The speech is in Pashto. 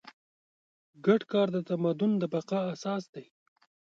ګډ کار د تمدن د بقا اساس دی.